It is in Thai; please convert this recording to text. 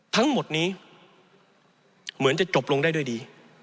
ทั้งหมดนี้เหมือนจะจบลงได้ด้วยดี